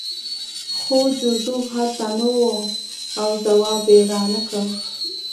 خو جوزف هلته نه و او ځواب یې رانکړ